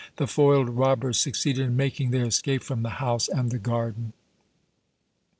The foiled robbers succeeded in making their escape from the house, and the garden.